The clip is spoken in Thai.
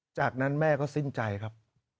จากนั้นแม่ก็สิ้นใจครับ